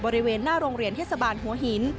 บริเวณหน้าโรงเรียนเทศบาลหัวหิน